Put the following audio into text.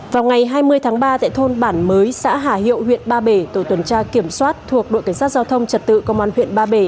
vào ngày hai mươi tháng ba tại thôn bản mới xã hà hiệu huyện ba bể tổ tuần tra kiểm soát thuộc đội cảnh sát giao thông trật tự công an huyện ba bể